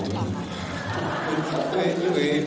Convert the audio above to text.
อ๋อใช่